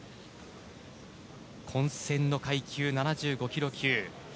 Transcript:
混戦の階級７５ｋｇ級。